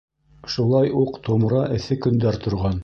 Шулай уҡ томра эҫе көндәр торған.